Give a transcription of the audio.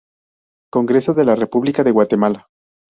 Congreso de la República de Guatemala